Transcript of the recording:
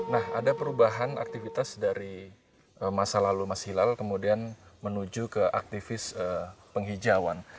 nah ada perubahan aktivitas dari masa lalu mas hilal kemudian menuju ke aktivis penghijauan